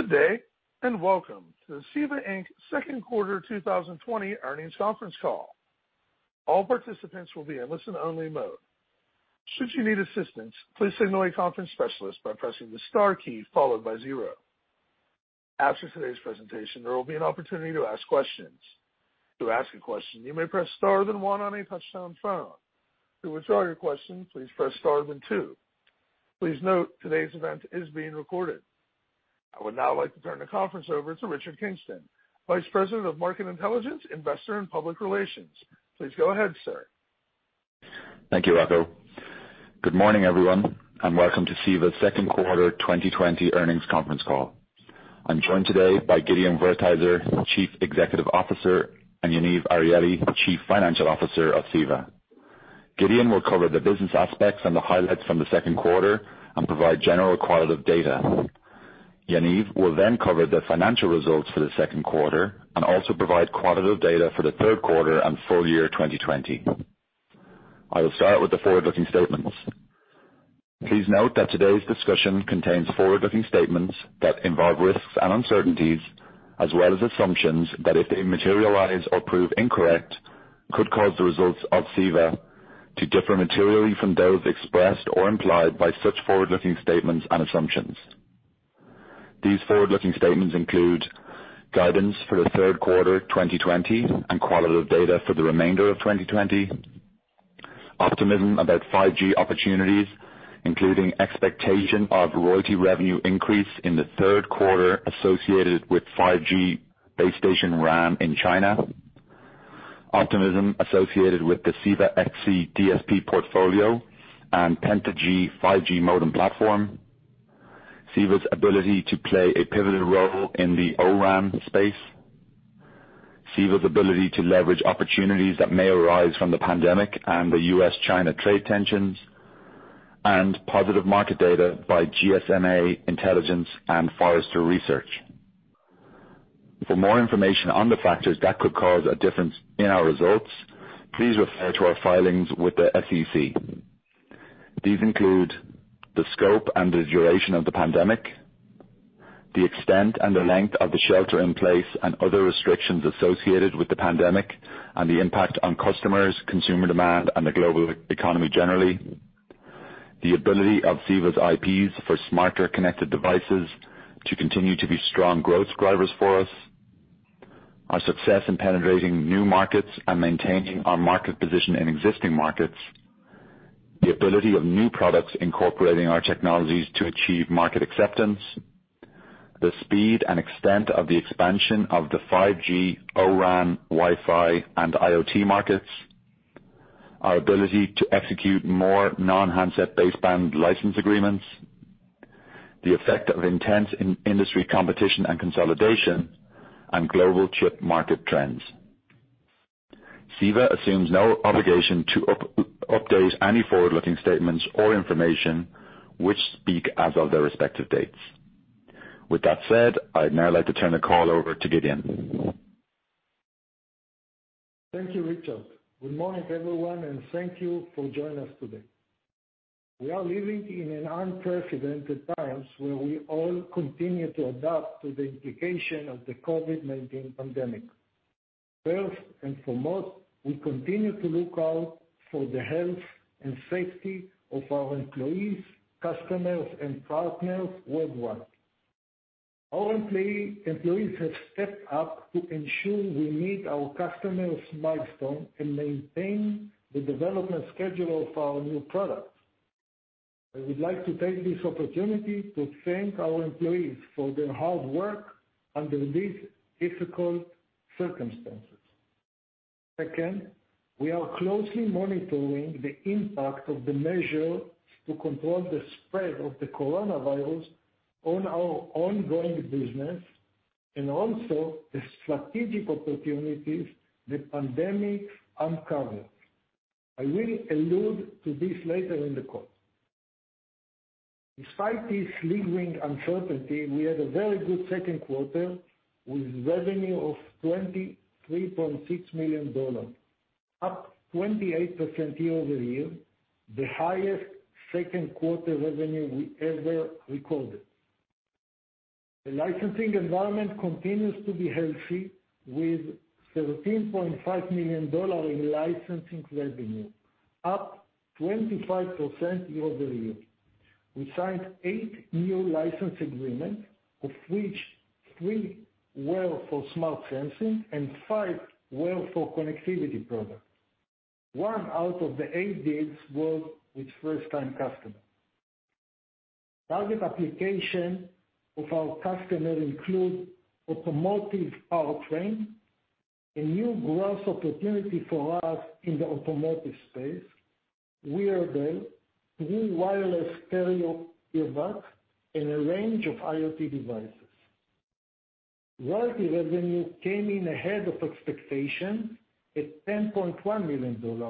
Good day, welcome to the CEVA, Inc. second quarter 2020 earnings conference call. After today's presentation, there will be an opportunity to ask questions. Please note, today's event is being recorded. I would now like to turn the conference over to Richard Kingston, Vice President of Market Intelligence, Investor, and Public Relations. Please go ahead, sir. Thank you, Rocco. Good morning, everyone, and welcome to CEVA second quarter 2020 earnings conference call. I'm joined today by Gideon Wertheizer, Chief Executive Officer, and Yaniv Arieli, Chief Financial Officer of CEVA. Gideon will cover the business aspects and the highlights from the second quarter and provide general qualitative data. Yaniv will then cover the financial results for the second quarter and also provide qualitative data for the third quarter and full year 2020. I will start with the forward-looking statements. Please note that today's discussion contains forward-looking statements that involve risks and uncertainties, as well as assumptions that if they materialize or prove incorrect, could cause the results of CEVA to differ materially from those expressed or implied by such forward-looking statements and assumptions. These forward-looking statements include guidance for the third quarter 2020 and qualitative data for the remainder of 2020, optimism about 5G opportunities, including expectation of royalty revenue increase in the third quarter associated with 5G base station RAN in China, optimism associated with the CEVA-XC DSP portfolio and PentaG 5G modem platform, CEVA's ability to play a pivotal role in the O-RAN space, CEVA's ability to leverage opportunities that may arise from the pandemic and the U.S.-China trade tensions, and positive market data by GSMA Intelligence and Forrester Research. For more information on the factors that could cause a difference in our results, please refer to our filings with the SEC. These include the scope and the duration of the pandemic, the extent and the length of the shelter in place and other restrictions associated with the pandemic and the impact on customers, consumer demand, and the global economy generally. The ability of CEVA's IPs for smarter connected devices to continue to be strong growth drivers for us. Our success in penetrating new markets and maintaining our market position in existing markets. The ability of new products incorporating our technologies to achieve market acceptance. The speed and extent of the expansion of the 5G, O-RAN, Wi-Fi, and IoT markets. Our ability to execute more non-handset baseband license agreements. The effect of intense industry competition and consolidation, and global chip market trends. CEVA assumes no obligation to update any forward-looking statements or information which speak as of their respective dates. With that said, I'd now like to turn the call over to Gideon. Thank you, Richard. Good morning, everyone, and thank you for joining us today. We are living in an unprecedented times where we all continue to adapt to the implications of the COVID-19 pandemic. First and foremost, we continue to look out for the health and safety of our employees, customers, and partners worldwide. Our employees have stepped up to ensure we meet our customers' milestones and maintain the development schedule of our new products. I would like to take this opportunity to thank our employees for their hard work under these difficult circumstances. Second, we are closely monitoring the impact of the measures to control the spread of the coronavirus on our ongoing business and also the strategic opportunities the pandemic uncovers. I will allude to this later in the call. Despite this lingering uncertainty, we had a very good second quarter with revenue of $23.6 million, up 28% year-over-year, the highest second quarter revenue we ever recorded. The licensing environment continues to be healthy with $13.5 million in licensing revenue, up 25% year-over-year. We signed eight new license agreements, of which three were for smart sensing and five were for connectivity products. One out of the eight deals was with first-time customer. Target application of our customer include automotive powertrain, a new growth opportunity for us in the automotive space, wearable, new wireless stereo earbuds, and a range of IoT devices. Royalty revenue came in ahead of expectation at $10.1 million,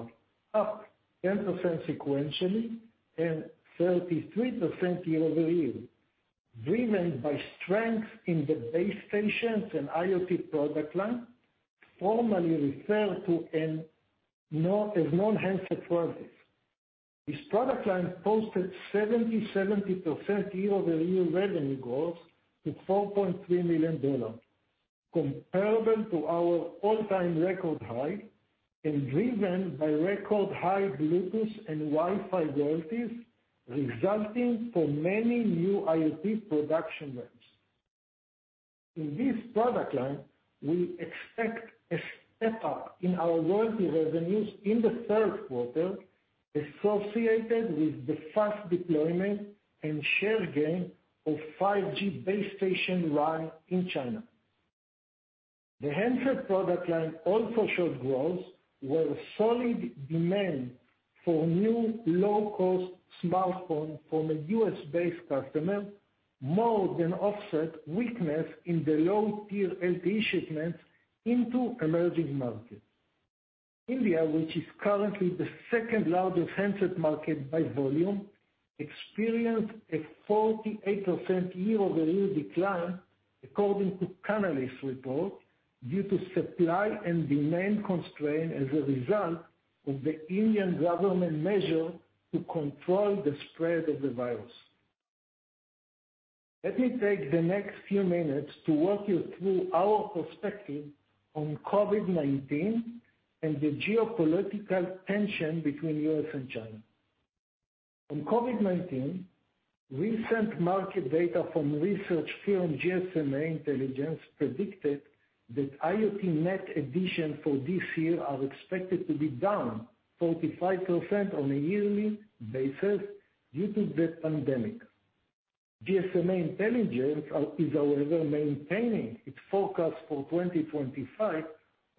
up 10% sequentially and 33% year-over-year, driven by strength in the base stations and IoT product line formerly referred to as non-handset products. This product line posted 77% year-over-year revenue growth to $4.3 million, comparable to our all-time record high and driven by record high Bluetooth and Wi-Fi royalties resulting from many new IoT production ramps. In this product line, we expect a step-up in our royalty revenues in the third quarter associated with the fast deployment and share gain of 5G base station RAN in China. The handset product line also showed growth where solid demand for new low-cost smartphone from a U.S.-based customer more than offset weakness in the low-tier LTE shipments into emerging markets. India, which is currently the second-largest handset market by volume, experienced a 48% year-over-year decline according to Canalys report, due to supply and demand constraint as a result of the Indian government measure to control the spread of the virus. Let me take the next few minutes to walk you through our perspective on COVID-19 and the geopolitical tension between U.S. and China. On COVID-19, recent market data from research firm GSMA Intelligence predicted that IoT net addition for this year are expected to be down 45% on a yearly basis due to the pandemic. GSMA Intelligence is however maintaining its forecast for 2025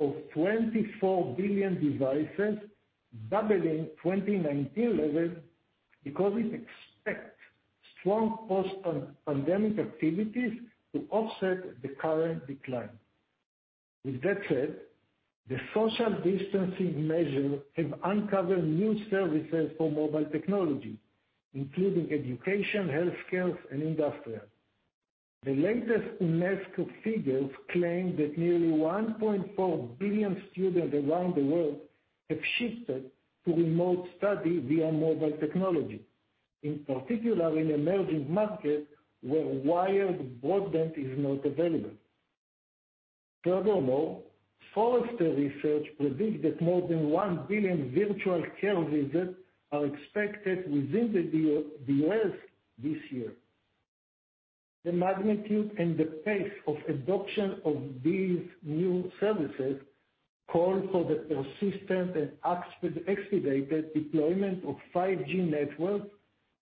of 24 billion devices, doubling 2019 level because it expects strong post-pandemic activities to offset the current decline. With that said, the social distancing measure have uncovered new services for mobile technology, including education, healthcare, and industrial. The latest UNESCO figures claim that nearly 1.4 billion students around the world have shifted to remote study via mobile technology, in particular in emerging markets where wired broadband is not available. Forrester Research predicts that more than 1 billion virtual care visits are expected within the U.S. this year. The magnitude and the pace of adoption of these new services call for the persistent and expedited deployment of 5G networks,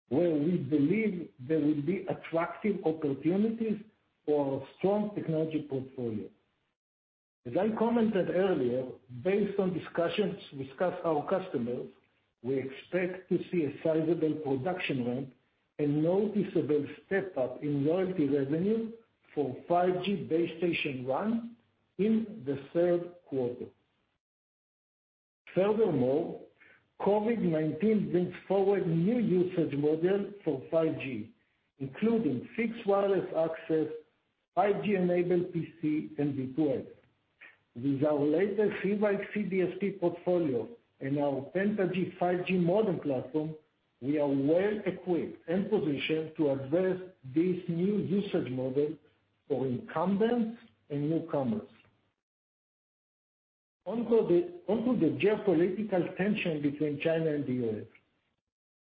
where we believe there will be attractive opportunities for our strong technology portfolio. As I commented earlier, based on discussions with our customers, we expect to see a sizable production ramp and noticeable step-up in royalty revenue for 5G base station RAN in the third quarter. COVID-19 brings forward new usage model for 5G, including fixed wireless access, 5G-enabled PC, and V2X. With our latest CEVA-XC DSP portfolio and our PentaG 5G modem platform, we are well equipped and positioned to address these new usage models for incumbents and newcomers. On to the geopolitical tension between China and the U.S.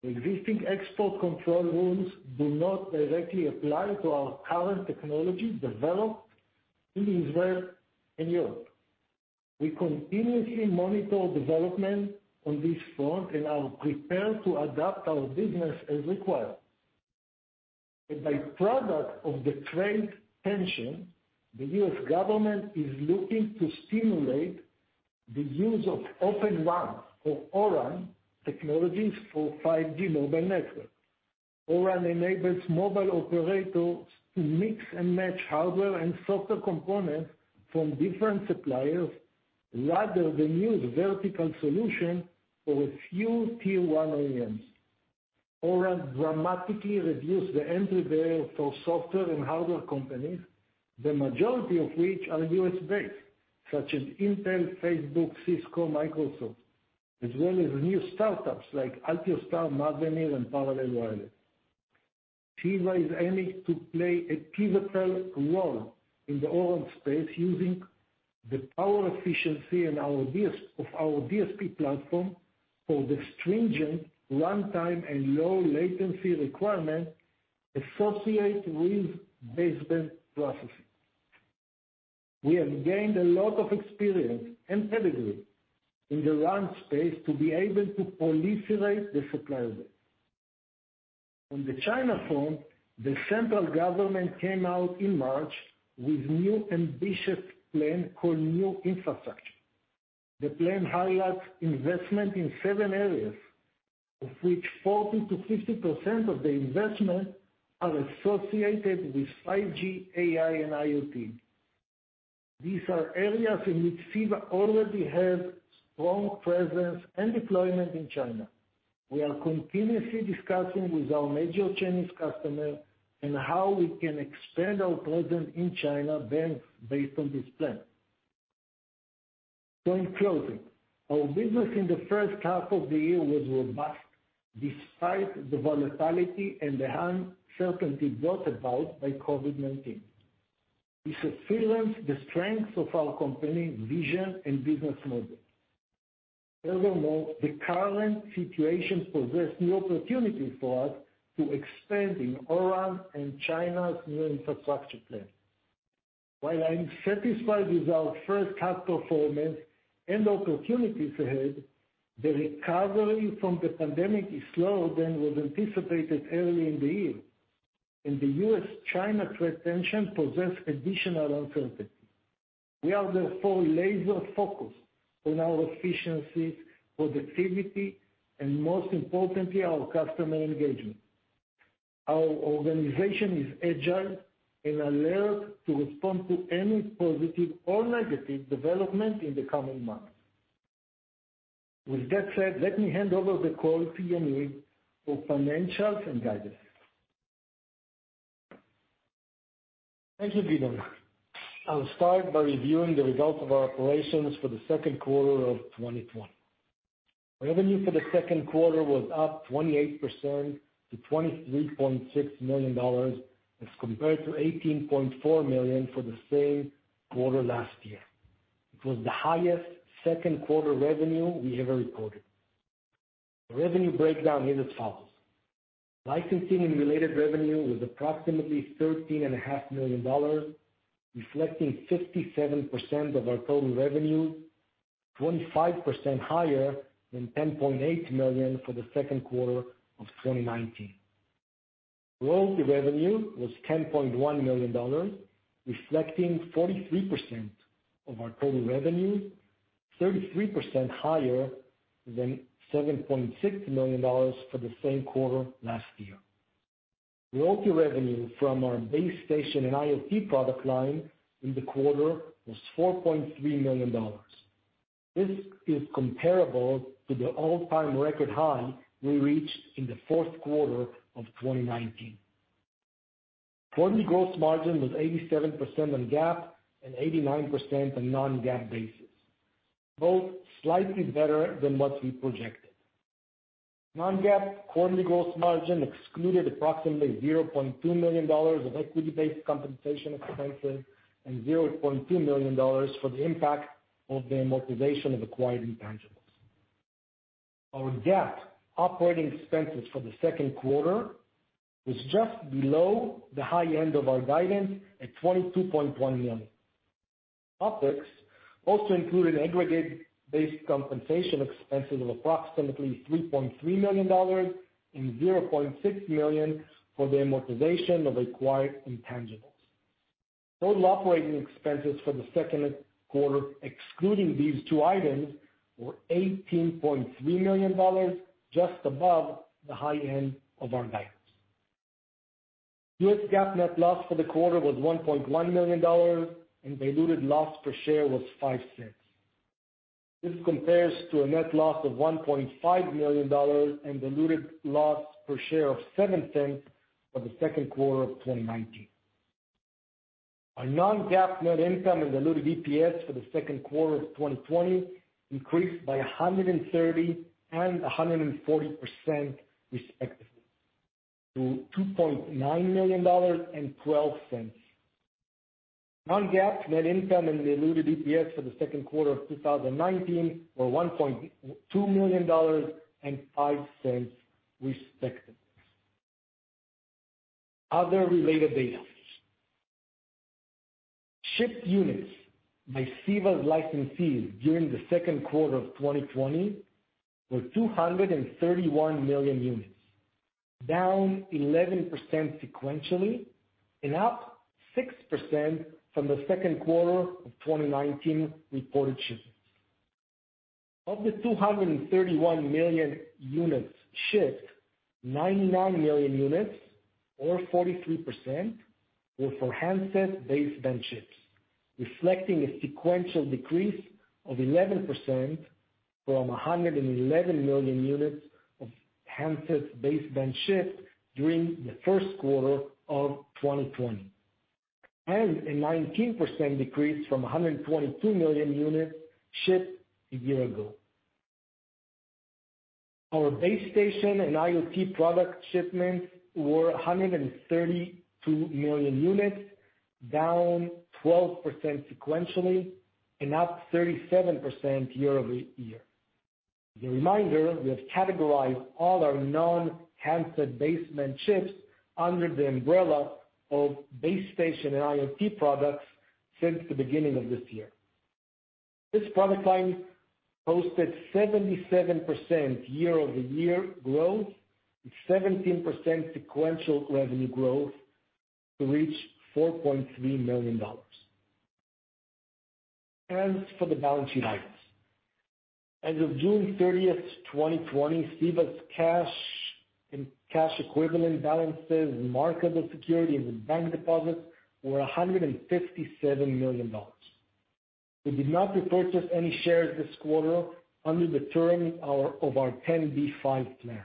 The existing export control rules do not directly apply to our current technology developed in Israel and Europe. We continuously monitor development on this front and are prepared to adapt our business as required. A byproduct of the trade tension, the U.S. government is looking to stimulate the use of Open RAN, or O-RAN, technologies for 5G mobile networks. O-RAN enables mobile operators to mix and match hardware and software components from different suppliers rather than use vertical solution for a few Tier 1 OEMs. O-RAN dramatically reduce the entry barrier for software and hardware companies, the majority of which are U.S.-based, such as Intel, Facebook, Cisco, Microsoft, as well as new startups like Altiostar, Marvell, and Parallel Wireless. CEVA is aiming to play a pivotal role in the O-RAN space using the power efficiency of our DSP platform for the stringent runtime and low latency requirement associated with baseband processing. We have gained a lot of experience and pedigree in the RAN space to be able to proliferate the supplier base. On the China front, the central government came out in March with new ambitious plan called New Infrastructure. The plan highlights investment in seven areas, of which 40%-50% of the investment are associated with 5G, AI, and IoT. These are areas in which CEVA already have strong presence and deployment in China. We are continuously discussing with our major Chinese customer in how we can expand our presence in China based on this plan. In closing, our business in the first half of the year was robust despite the volatility and the uncertainty brought about by COVID-19. This affirms the strength of our company vision and business model. Furthermore, the current situation possess new opportunities for us to expand in O-RAN and China's New Infrastructure plan. While I'm satisfied with our first half performance and opportunities ahead, the recovery from the pandemic is slower than was anticipated early in the year. In the U.S., China trade tension possess additional uncertainty. We are therefore laser focused on our efficiency, productivity, and most importantly, our customer engagement. Our organization is agile and alert to respond to any positive or negative development in the coming months. With that said, let me hand over the call to Yaniv for financials and guidance. Thank you, Gideon. I'll start by reviewing the results of our operations for the second quarter of 2020. Revenue for the second quarter was up 28% to $23.6 million as compared to $18.4 million for the same quarter last year. It was the highest second quarter revenue we ever recorded. Revenue breakdown is as follows. Licensing and related revenue was approximately $13.5 million, reflecting 57% of our total revenue, 25% higher than $10.8 million for the second quarter of 2019. Royalty revenue was $10.1 million, reflecting 43% of our total revenue, 33% higher than $7.6 million for the same quarter last year. Royalty revenue from our base station and IoT product line in the quarter was $4.3 million. This is comparable to the all-time record high we reached in the fourth quarter of 2019. Quarterly gross margin was 87% on GAAP and 89% on non-GAAP basis, both slightly better than what we projected. Non-GAAP quarterly gross margin excluded approximately $0.2 million of equity-based compensation expenses and $0.2 million for the impact of the amortization of acquired intangibles. Our GAAP operating expenses for the second quarter was just below the high end of our guidance at $22.1 million. OpEx also included aggregate-based compensation expenses of approximately $3.3 million and $0.6 million for the amortization of acquired intangibles. Total operating expenses for the second quarter, excluding these two items, were $18.3 million, just above the high end of our guidance. U.S. GAAP net loss for the quarter was $1.1 million, and diluted loss per share was $0.05. This compares to a net loss of $1.5 million and diluted loss per share of $0.07 for the second quarter of 2019. Our non-GAAP net income and diluted EPS for the second quarter of 2020 increased by 130% and 140% respectively to $2.9 million and $0.12. Non-GAAP net income and diluted EPS for the second quarter of 2019 were $1.2 million and $0.05 respectively. Other related data. Shipped units by CEVA's licensees during the second quarter of 2020 were 231 million units, down 11% sequentially and up 6% from the second quarter of 2019 reported shipments. Of the 231 million units shipped, 99 million units or 43% were for handset baseband chips, reflecting a sequential decrease of 11% from 111 million units of handset baseband shipped during the first quarter of 2020, and a 19% decrease from 122 million units shipped a year ago. Our base station and IoT product shipments were 132 million units, down 12% sequentially and up 37% year-over-year. As a reminder, we have categorized all our non-handset baseband chips under the umbrella of base station and IoT products since the beginning of this year. This product line posted 77% year-over-year growth and 17% sequential revenue growth to reach $4.3 million. For the balance sheet items, as of June 30th, 2020, CEVA's cash and cash equivalent balances and marketable securities and bank deposits were $157 million. We did not repurchase any shares this quarter under the terms of our 10b5-plan.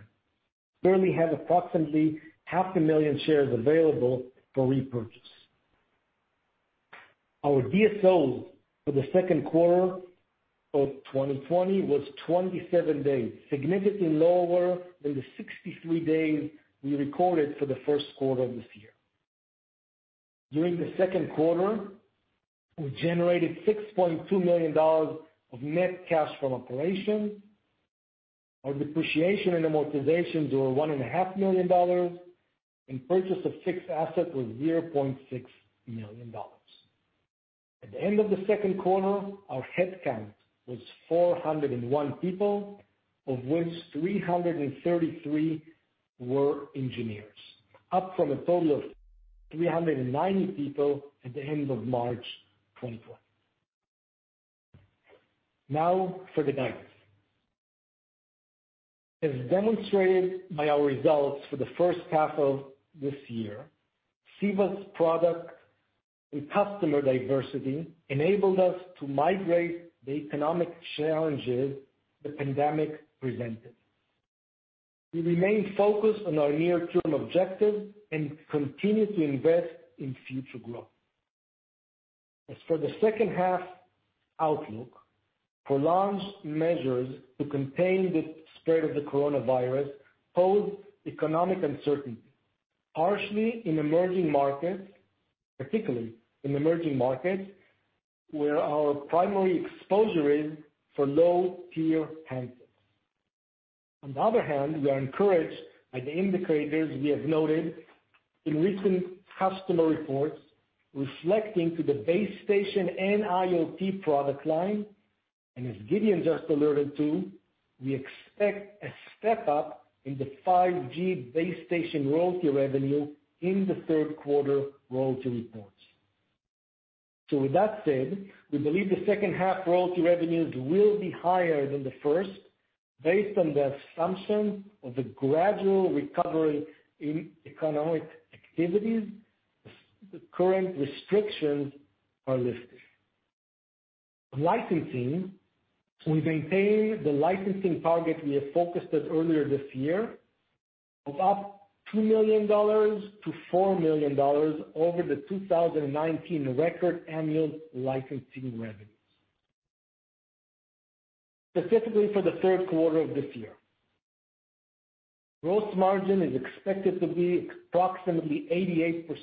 Currently have approximately half a million shares available for repurchase. Our DSO for the second quarter of 2020 was 27 days, significantly lower than the 63 days we recorded for the first quarter of this year. During the second quarter, we generated $6.2 million of net cash from operations. Our depreciation and amortizations were $1.5 million, purchase of fixed assets was $0.6 million. At the end of the second quarter, our headcount was 401 people, of which 333 were engineers, up from a total of 390 people at the end of March 2020. Now for the guidance. As demonstrated by our results for the first half of this year, CEVA's product and customer diversity enabled us to migrate the economic challenges the pandemic presented. We remain focused on our near-term objectives and continue to invest in future growth. As for the second half outlook, prolonged measures to contain the spread of the Coronavirus pose economic uncertainty, partially in emerging markets, particularly in emerging markets, where our primary exposure is for low-tier handsets. On the other hand, we are encouraged by the indicators we have noted in recent customer reports reflecting to the base station and IoT product line. As Gideon just alluded to, we expect a step-up in the 5G base station royalty revenue in the third quarter royalty reports. With that said, we believe the second half royalty revenues will be higher than the first, based on the assumption of the gradual recovery in economic activities as the current restrictions are lifted. Licensing, we maintain the licensing target we have focused at earlier this year of up $2 million-$4 million over the 2019 record annual licensing revenues. Specifically for the third quarter of this year. Gross margin is expected to be approximately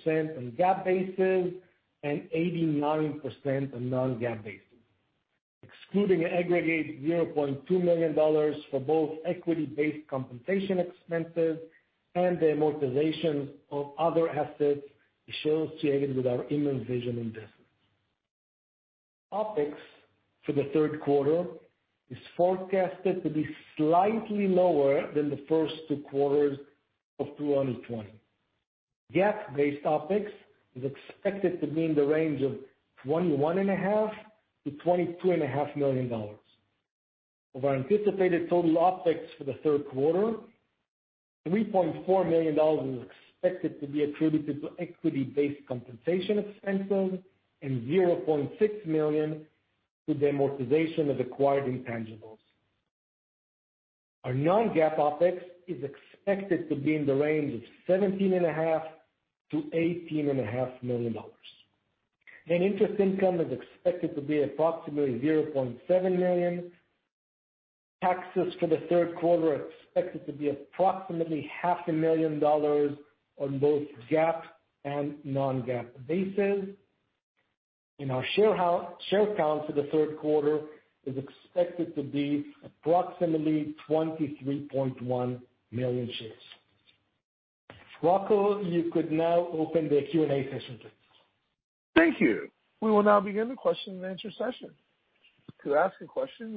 88% on GAAP basis and 89% on non-GAAP basis, excluding aggregate $0.2 million for both equity-based compensation expenses and the amortization of other assets associated with our Immervision investment. OpEx for the third quarter is forecasted to be slightly lower than the first two quarters of 2020. GAAP-based OpEx is expected to be in the range of $21.5 million-$22.5 million. Of our anticipated total OpEx for the third quarter, $3.4 million is expected to be attributed to equity-based compensation expenses and $0.6 million to the amortization of acquired intangibles. Our non-GAAP OpEx is expected to be in the range of $17.5 million-$18.5 million. Net interest income is expected to be approximately $0.7 million. Taxes for the third quarter are expected to be approximately $0.5 million on both GAAP and non-GAAP basis. Our share count for the third quarter is expected to be approximately 23.1 million shares. Rocco, you could now open the Q&A session, please. Thank you. We will now begin the question and answer session. Today's first question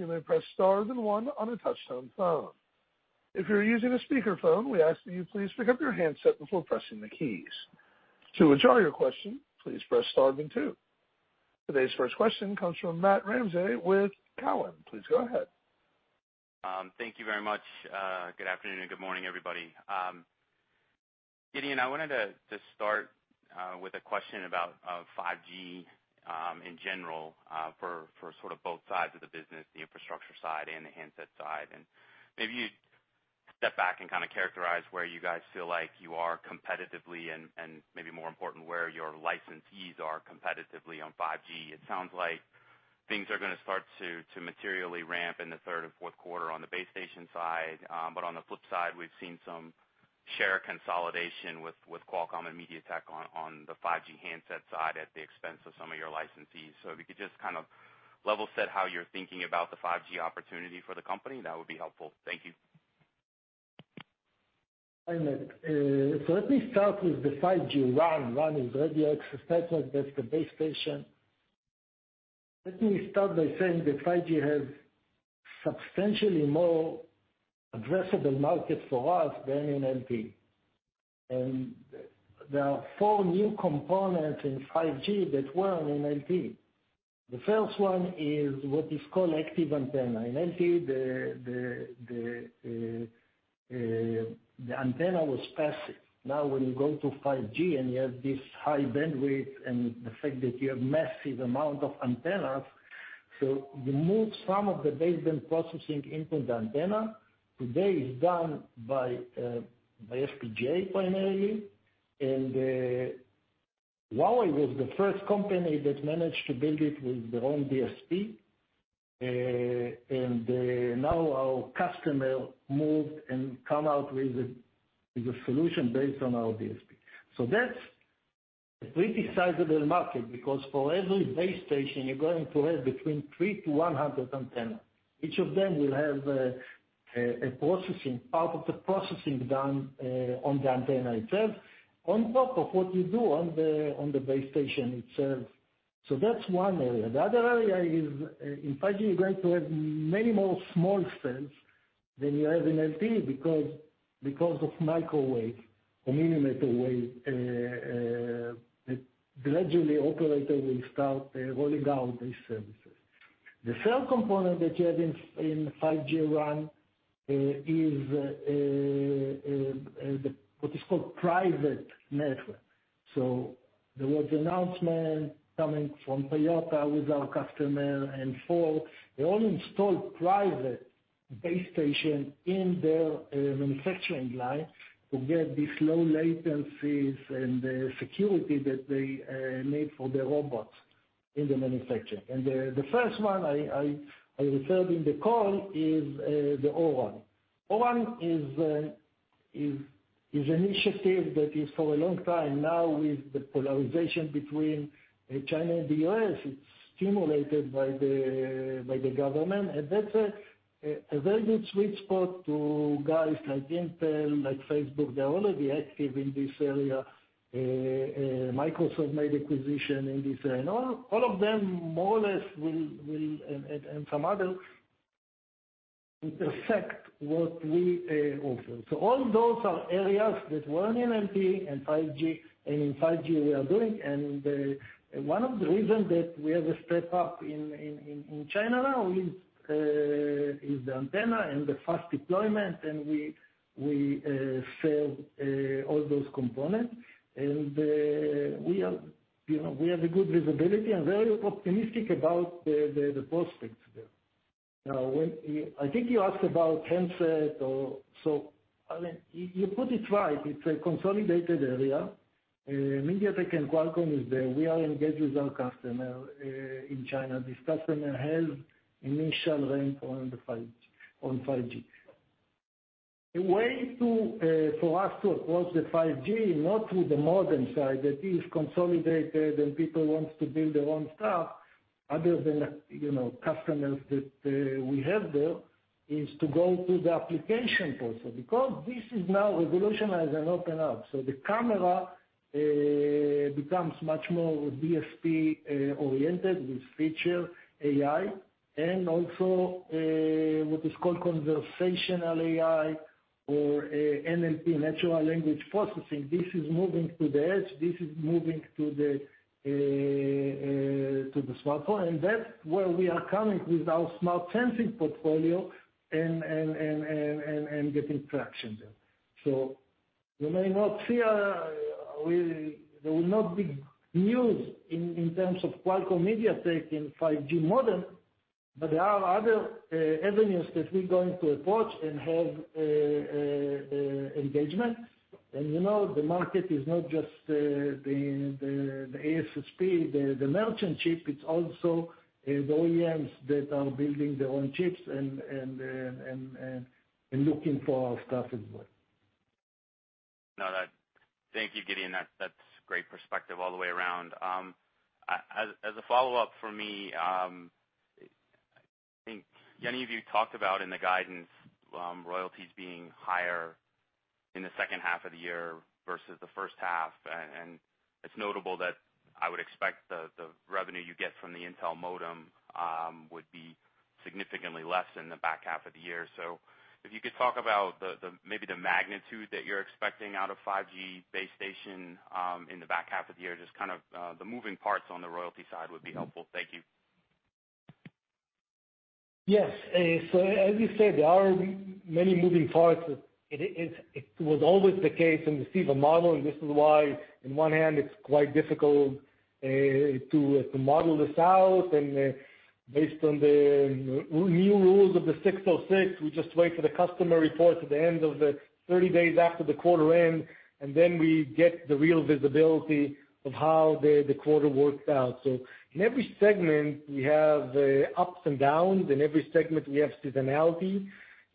comes from Matt Ramsay with Cowen. Please go ahead. Thank you very much. Good afternoon and good morning, everybody. Gideon, I wanted to start with a question about 5G, in general, for sort of both sides of the business, the infrastructure side and the handset side. Maybe you step back and kind of characterize where you guys feel like you are competitively and maybe more important, where your licensees are competitively on 5G. It sounds like things are going to start to materially ramp in the third and fourth quarter on the base station side. On the flip side, we've seen some share consolidation with Qualcomm and MediaTek on the 5G handset side at the expense of some of your licensees. If you could just kind of level set how you're thinking about the 5G opportunity for the company, that would be helpful. Thank you. Hi, Matt. Let me start with the 5G RAN. RAN is Radio Access Network, that's the base station. Let me start by saying that 5G has substantially more addressable market for us than in LTE. There are four new components in 5G that weren't in LTE. The first one is what is called active antenna. In LTE, the antenna was passive. When you go to 5G and you have this high bandwidth and the fact that you have massive amount of antennas You move some of the baseband processing into the antennas. Today it's done by FPGA primarily. Huawei was the first company that managed to build it with their own DSP, and now our customer moved and come out with a solution based on our DSP. That's a pretty sizable market because for every base station, you're going to have between 3 antennas-100 antennas. Each of them will have a part of the processing done on the antenna itself, on top of what you do on the base station itself. That's one area. The other area is, in 5G, you're going to have many more small cells than you have in LTE because of microwave or millimeter wave. Gradually, operators will start rolling out these services. The third component that you have in 5G RAN is what is called private network. There was announcement coming from Toyota with our customer and Ford. They all installed private base station in their manufacturing line to get these low latencies and the security that they need for the robots in the manufacturing. The first one I referred in the call is the O-RAN. O-RAN is a initiative that is for a long time now with the polarization between China and the U.S. It's stimulated by the government, and that's a very good sweet spot to guys like Intel, like Facebook. They're already active in this area. Microsoft made acquisition in this area. All of them, more or less, will, and some others, intersect what we offer. All those are areas that weren't in LTE and in 5G we are doing. One of the reasons that we have a step up in China now is the antenna and the fast deployment, and we sell all those components. We have a good visibility and very optimistic about the prospects there. I think you asked about handset. You put it right, it's a consolidated area. MediaTek and Qualcomm is there. We are engaged with our customer in China. This customer has initial ramp on 5G. The way for us to approach the 5G, not through the modem side that is consolidated and people wants to build their own stuff other than customers that we have there, is to go through the application portal. This is now revolutionized and opened up. The camera becomes much more DSP oriented with feature AI and also what is called conversational AI or NLP, natural language processing. This is moving to the edge, this is moving to the smartphone, and that's where we are coming with our smart sensing portfolio and getting traction there. You may not see, there will not be news in terms of Qualcomm, MediaTek in 5G modem, but there are other avenues that we're going to approach and have engagement. The market is not just the ASSP, the merchant chip, it's also the OEMs that are building their own chips and looking for our stuff as well. Thank you, Gideon. That's great perspective all the way around. As a follow-up from me, I think, Yaniv, you talked about in the guidance, royalties being higher in the second half of the year versus the first half. It's notable that I would expect the revenue you get from the Intel modem would be significantly less in the back half of the year. If you could talk about maybe the magnitude that you're expecting out of 5G base station in the back half of the year, just the moving parts on the royalty side would be helpful. Thank you. Yes. As you said, there are many moving parts. It was always the case in the CEVA model, and this is why, in one hand, it's quite difficult to model this out. Based on the new rules of the 606, we just wait for the customer report at the end of the 30 days after the quarter end, and then we get the real visibility of how the quarter worked out. In every segment, we have ups and downs. In every segment, we have seasonality.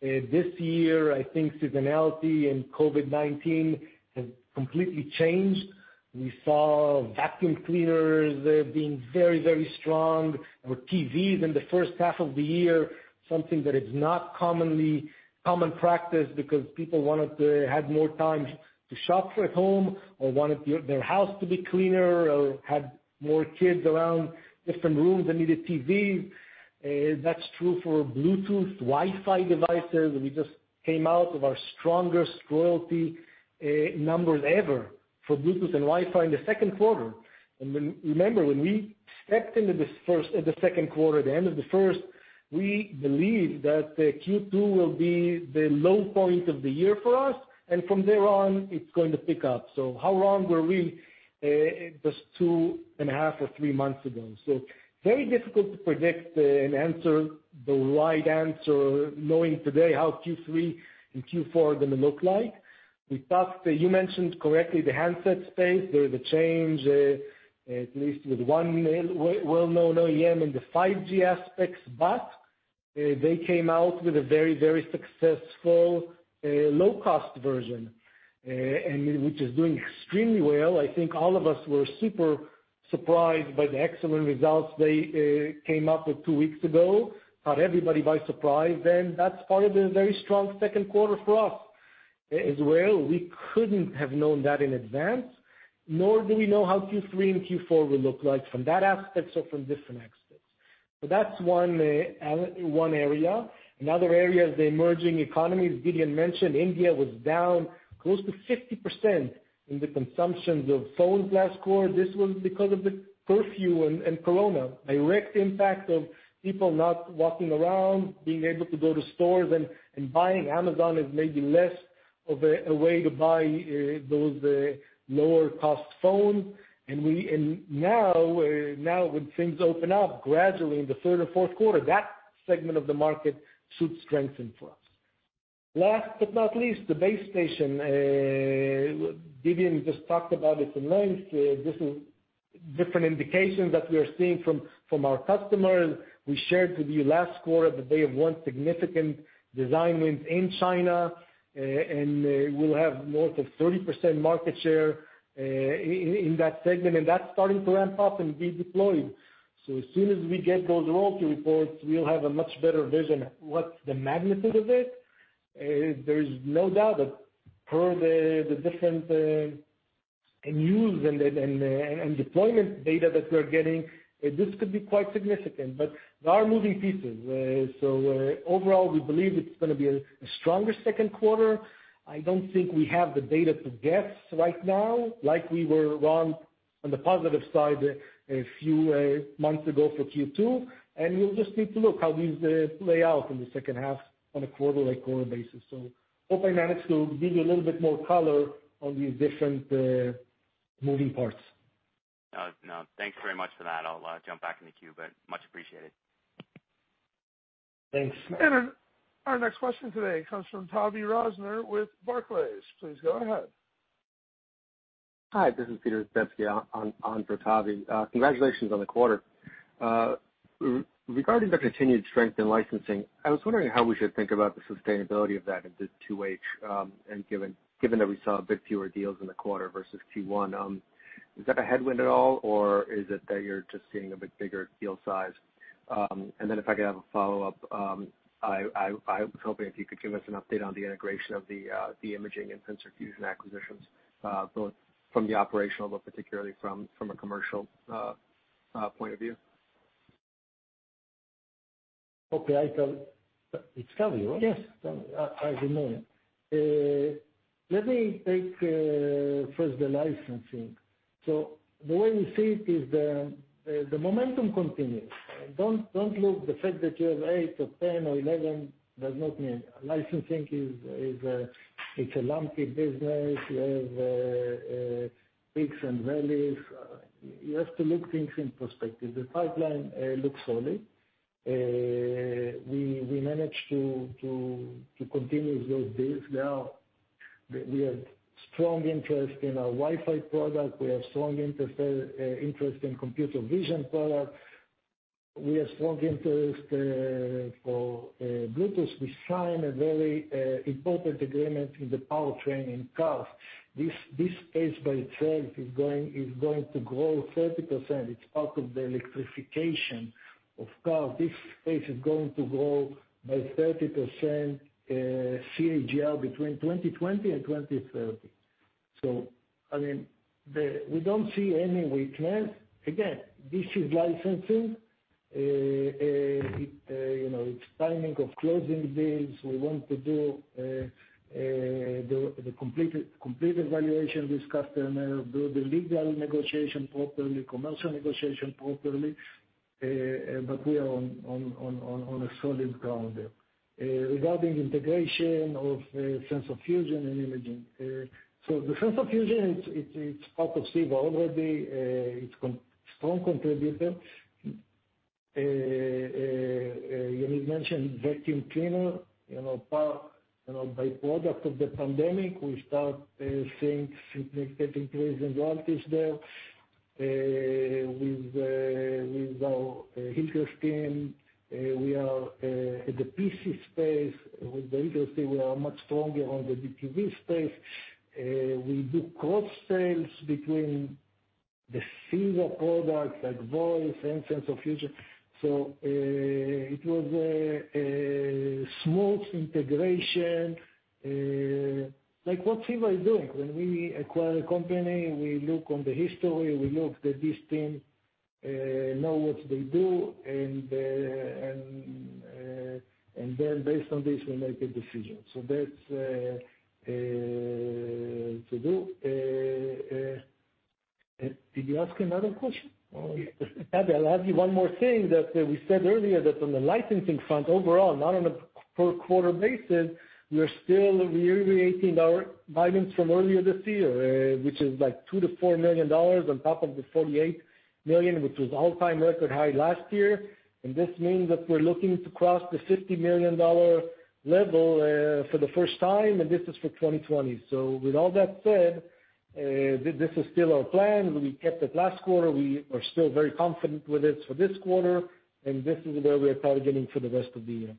This year, I think seasonality and COVID-19 has completely changed. We saw vacuum cleaners being very, very strong, or TVs in the first half of the year, something that is not common practice because people wanted to have more time to shop at home or wanted their house to be cleaner or had more kids around different rooms and needed TVs. That's true for Bluetooth, Wi-Fi devices. We just came out with our strongest royalty numbers ever for Bluetooth and Wi-Fi in the second quarter. Remember, when we stepped into the second quarter, the end of the first We believe that Q2 will be the low point of the year for us, and from there on, it's going to pick up. How wrong were we just two and a half or three months ago? Very difficult to predict and answer the right answer, knowing today how Q3 and Q4 are going to look like. You mentioned correctly the handset space. There is a change, at least with one well-known OEM in the 5G aspects, but they came out with a very successful low-cost version, which is doing extremely well. I think all of us were super surprised by the excellent results they came up with two weeks ago. Caught everybody by surprise, and that's part of the very strong second quarter for us as well. We couldn't have known that in advance, nor do we know how Q3 and Q4 will look like from that aspect or from different aspects. That's one area. Another area is the emerging economies. Gideon mentioned India was down close to 50% in the consumptions of phones last quarter. This was because of the curfew and Corona. Direct impact of people not walking around, being able to go to stores and buying, Amazon is maybe less of a way to buy those lower-cost phones. Now when things open up gradually in the third or fourth quarter, that segment of the market should strengthen for us. Last but not least, the base station. Gideon just talked about it at length. This is different indications that we are seeing from our customers. We shared with you last quarter that they have won significant design wins in China, and we'll have more than 30% market share in that segment, and that's starting to ramp up and be deployed. As soon as we get those royalty reports, we'll have a much better vision what's the magnitude of it. There's no doubt that per the different news and deployment data that we're getting, this could be quite significant, but there are moving pieces. Overall, we believe it's going to be a stronger second quarter. I don't think we have the data to guess right now like we were wrong on the positive side a few months ago for Q2, and we'll just need to look how these play out in the second half on a quarter-by-quarter basis. Hope I managed to give you a little bit more color on these different moving parts. No. Thanks very much for that. I'll jump back in the queue, but much appreciated. Thanks. Our next question today comes from Tavy Rosner with Barclays. Please go ahead. Hi, this is Peter Zdebski on for Tavy. Congratulations on the quarter. Regarding the continued strength in licensing, I was wondering how we should think about the sustainability of that into 2H, and given that we saw a bit fewer deals in the quarter versus Q1, is that a headwind at all or is it that you're just seeing a bit bigger deal size? If I could have a follow-up, I was hoping if you could give us an update on the integration of the Imaging and Sensor Fusion acquisitions, both from the operational but particularly from a commercial point of view. Okay. It's [Zdebski], right? Yes. As you know. Let me take first the licensing. The way we see it is the momentum continues. Don't look, the fact that you have eight or 10 or 11 does not mean licensing, it's a lumpy business. You have peaks and valleys. You have to look things in perspective. The pipeline looks solid. We managed to continue those deals. Now, we have strong interest in our Wi-Fi product. We have strong interest in computer vision product. We have strong interest for Bluetooth. We sign a very important agreement in the powertrain in cars. This space by itself is going to grow 30%. It's part of the electrification of cars. This space is going to grow by 30% CAGR between 2020 and 2030. I mean, we don't see any weakness. Again, this is licensing. It's timing of closing deals. We want to do the complete evaluation discussion, do the legal negotiation properly, commercial negotiation properly, but we are on a solid ground there. Regarding integration of Sensor Fusion and Imaging. The Sensor Fusion, it's part of CEVA already. It's strong contributor. Yaniv mentioned vacuum cleaner, part by product of the pandemic. We start seeing significant increase in royalties there. With our [heater scheme], we are at the PC space. With the [industry], we are much stronger on the HDTV space. We do cross sales between the CEVA products like Voice and Sensor Fusion. It was a smooth integration. Like what CEVA is doing. When we acquire a company, we look on the history, we look that this team know what they do, and then based on this, we make a decision. Did you ask another question? I'll add one more thing that we said earlier, that on the licensing front overall, not on a per quarter basis, we're still reiterating our guidance from earlier this year, which is like $2 million-$4 million on top of the $48 million, which was all-time record high last year. This means that we're looking to cross the $50 million level for the first time, and this is for 2020. With all that said, this is still our plan. We kept it last quarter. We are still very confident with it for this quarter, and this is where we are targeting for the rest of the year.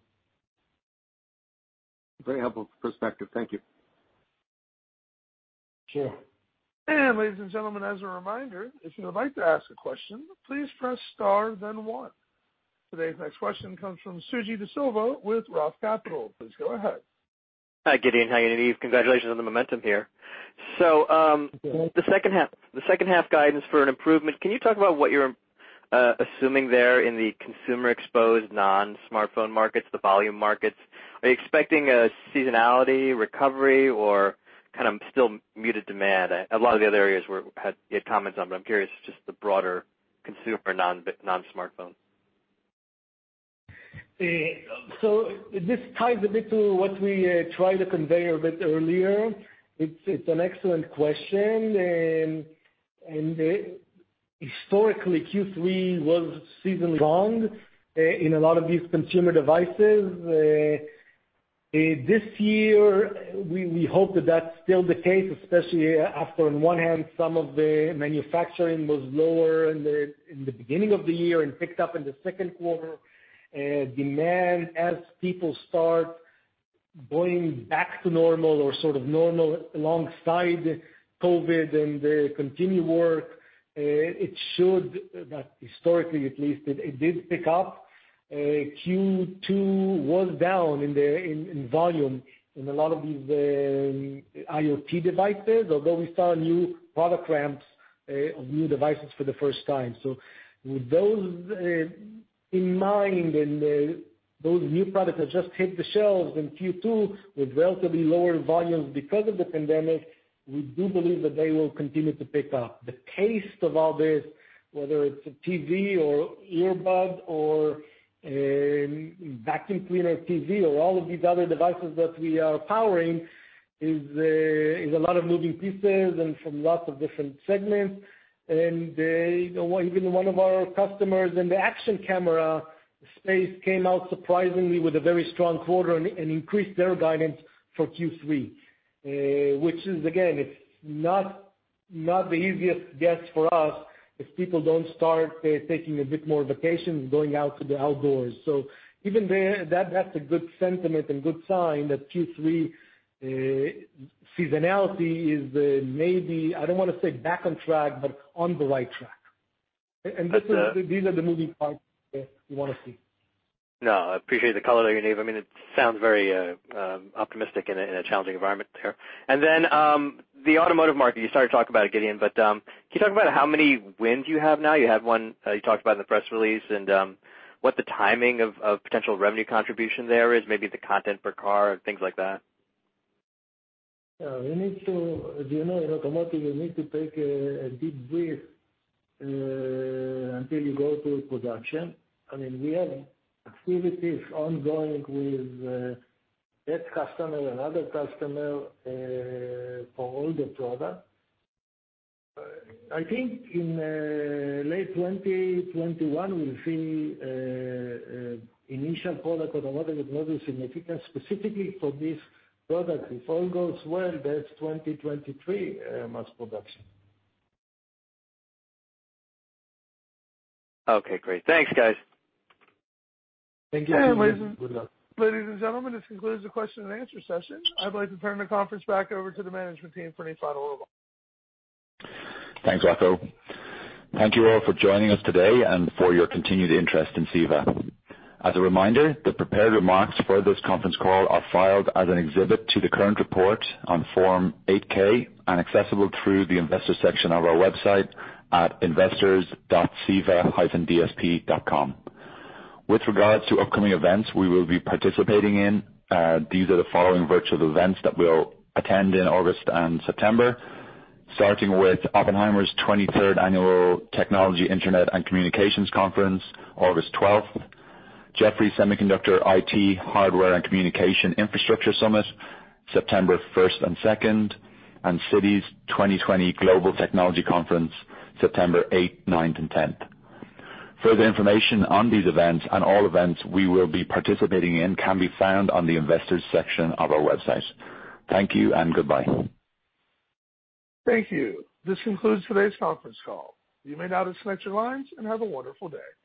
Very helpful perspective. Thank you. Sure. Today's next question comes from Suji Desilva with ROTH Capital. Please go ahead. Hi, Gideon. Hi, Yaniv. Congratulations on the momentum here. The second half guidance for an improvement, can you talk about what you're assuming there in the consumer exposed non-smartphone markets, the volume markets? Are you expecting a seasonality recovery or kind of still muted demand? A lot of the other areas you had comments on, but I'm curious just the broader consumer non-smartphone. This ties a bit to what we tried to convey a bit earlier. It's an excellent question. Historically, Q3 was season long in a lot of these consumer devices. This year, we hope that that's still the case, especially after, on one hand, some of the manufacturing was lower in the beginning of the year and picked up in the second quarter. Demand, as people start going back to normal or sort of normal alongside COVID-19 and they continue work, it should, historically at least, it did pick up. Q2 was down in volume in a lot of these IoT devices, although we saw new product ramps of new devices for the first time. With those in mind and those new products that just hit the shelves in Q2 with relatively lower volumes because of the pandemic, we do believe that they will continue to pick up. The pace of all this, whether it's a TV or earbud or vacuum cleaner TV or all of these other devices that we are powering, is a lot of moving pieces and from lots of different segments. Even one of our customers in the action camera space came out surprisingly with a very strong quarter and increased their guidance for Q3. Which is, again, it's not the easiest guess for us if people don't start taking a bit more vacations and going out to the outdoors. Even that's a good sentiment and good sign that Q3 seasonality is maybe, I don't want to say back on track, but on the right track. These are the moving parts that you want to see. I appreciate the color there, Yaniv. It sounds very optimistic in a challenging environment there. The automotive market, you started talking about it, Gideon, but can you talk about how many wins you have now? You had one you talked about in the press release, and what the timing of potential revenue contribution there is, maybe the content per car, things like that. As you know, in automotive, you need to take a deep breath until you go to production. We have activities ongoing with that customer and other customer for all the product. I think in late 2021, we will see initial product on automotive that will be significant specifically for this product. If all goes well, that is 2023 mass production. Okay, great. Thanks, guys. Thank you. Good luck. Ladies and gentlemen, this concludes the question and answer session. I'd like to turn the conference back over to the management team for any final remarks. Thanks, Rocco. Thank you all for joining us today and for your continued interest in CEVA. As a reminder, the prepared remarks for this conference call are filed as an exhibit to the current report on Form 8-K and accessible through the investors section of our website at investors.ceva-ip.com. With regards to upcoming events we will be participating in, these are the following virtual events that we'll attend in August and September, starting with Oppenheimer's 23rd Annual Technology, Internet and Communications Conference, August 12th. Jefferies Semiconductor, IT, Hardware and Communication Infrastructure Summit, September 1st and 2nd. Citi's 2020 Global Technology Conference, September 8th, 9th and 10th. Further information on these events and all events we will be participating in can be found on the investors section of our website. Thank you and goodbye. Thank you. This concludes today's conference call. You may now disconnect your lines and have a wonderful day.